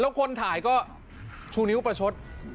แล้วคนถ่ายก็ชูนิ้วปัชชัตริย์